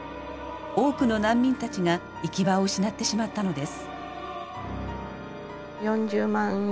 多くの難民たちが行き場を失ってしまったのです。